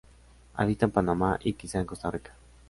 Habita en Panamá y quizá en Costa Rica.